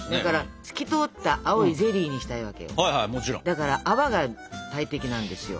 だから泡が大敵なんですよ。